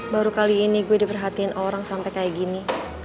baru kali ini gue diperhatiin orang sampai kayak gini